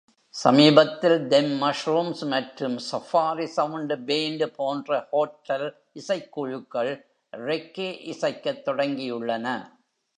சமீபத்தில், Them Mushrooms மற்றும் Safari Sound Band போன்ற ஹோட்டல் இசைக்குழுக்கள் ரெக்கே இசைக்கத் தொடங்கியுள்ளன.